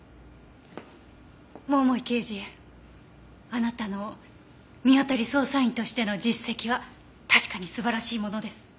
桃井刑事あなたの見当たり捜査員としての実績は確かに素晴らしいものです。